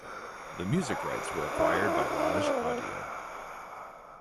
The music rights were acquired by Raj Audio.